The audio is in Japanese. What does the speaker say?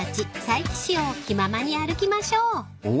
佐伯市を気ままに歩きましょう］